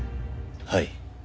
はい。